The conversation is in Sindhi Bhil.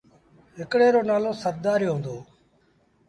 هڪڙي رو نآلو سرڌآريو هُݩدو۔